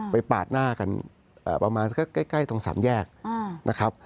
ปาดหน้ากันประมาณใกล้ตรงสามแยกนะครับ